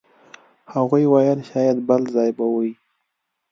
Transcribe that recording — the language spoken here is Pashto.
هغوی ویل شاید بل ځای به وئ.